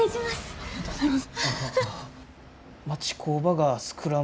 ありがとうございます！